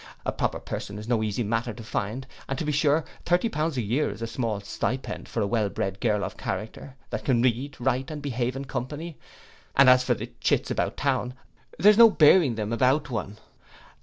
A proper person is no easy matter to find, and to be sure thirty pounds a year is a small stipend for a well bred girl of character, that can read, write, and behave in company; as for the chits about town, there is no bearing them about one.